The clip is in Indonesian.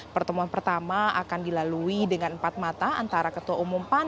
pertemuan pertama akan dilalui dengan empat mata antara ketua umum pan